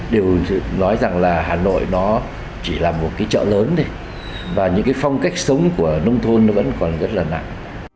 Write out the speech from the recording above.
đều nói rằng là hà nội nó chỉ là một chợ lớn và những phong cách sống của nông thôn nó vẫn còn rất là nặng